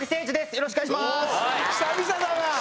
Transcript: よろしくお願いします。